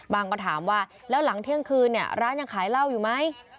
ก็ถามว่าแล้วหลังเที่ยงคืนเนี่ยร้านยังขายเหล้าอยู่ไหม